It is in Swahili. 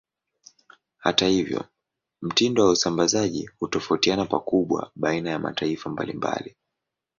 Hata hivyo, mtindo wa usambazaji hutofautiana pakubwa baina ya mataifa mbalimbali.